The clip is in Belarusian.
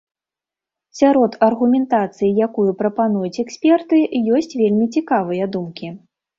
Сярод аргументацыі, якую прапануюць эксперты, ёсць вельмі цікавыя думкі.